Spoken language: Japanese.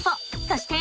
そして。